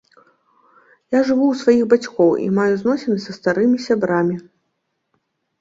Я жыву ў сваіх бацькоў і маю зносіны са старымі сябрамі.